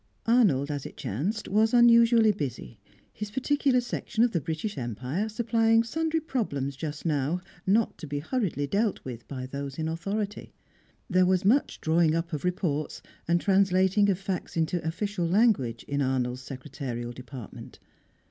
Arnold, as it chanced, was unusually busy, his particular section of the British Empire supplying sundry problems just now not to be hurriedly dealt with by those in authority; there was much drawing up of reports, and translating of facts into official language, in Arnold's secretarial department.